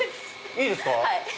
いいですか？